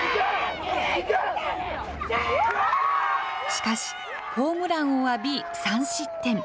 しかし、ホームランを浴び、３失点。